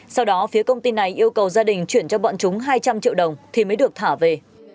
sau đó phía công ty này yêu cầu gia đình chuyển cho bọn chúng hai trăm linh triệu đồng thì mới được thả về